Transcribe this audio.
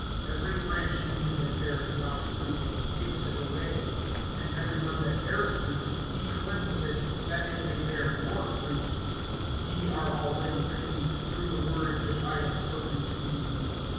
(2)Every branch in me that bears not fruit, he takes it away; and every one that bears fruit, he cleanses it, that it may bear more fruit. (3)Ye are already clean, through the word which I have spoken to you.